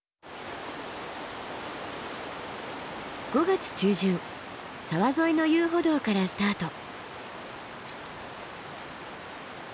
５月中旬沢沿いの遊歩道からスタート。